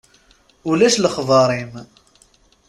Ulac lexber-im.